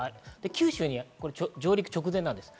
九州に上陸直前です。